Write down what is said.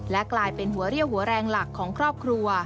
และกลายเป็นหัวเรี่ยวหัวแรงหลักของครอบครัว